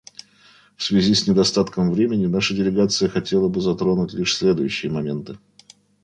В связи с недостатком времени наша делегация хотела бы затронуть лишь следующие моменты.